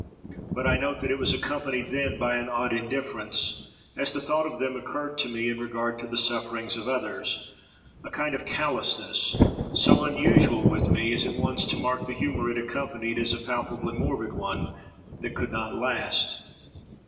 But I note, that it was accompanied then by an odd indifference, as the thought of them occurred to me, in regard to the sufferings of others—a kind of callousness, so unusual with me, as at once to mark the humour it accompanied as a palpably morbid one that could not last.